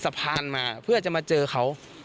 สำคัญมาพื้นที่จะมาเจอเขา